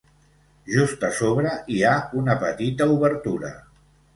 Just a sobre hi ha una petita obertura.